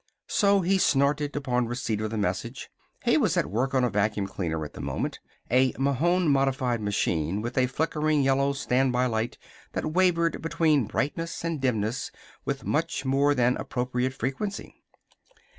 So he snorted, upon receipt of the message. He was at work on a vacuum cleaner at the moment a Mahon modified machine with a flickering yellow standby light that wavered between brightness and dimness with much more than appropriate frequency.